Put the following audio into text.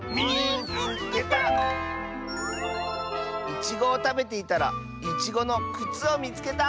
「いちごをたべていたらいちごのくつをみつけた！」。